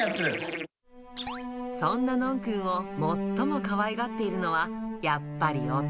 そんなノンくんを最もかわいがっているのは、やっぱり夫。